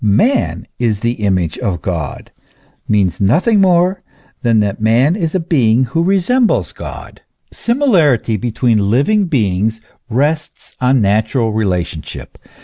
" Man is the image of God," means nothing more than that man is a being who resembles God. Similarity between living beings rests on natural relationship.